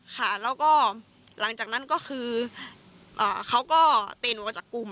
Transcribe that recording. ค่ะแล้วก็หลังจากนั้นก็คือเขาก็ตีหนูออกจากกลุ่ม